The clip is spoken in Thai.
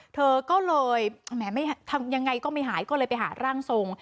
เธอก็เลยทำยังไงก็ไม่หายก็เลยไปหาร่างทรง